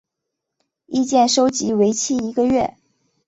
意见收集为期一个月。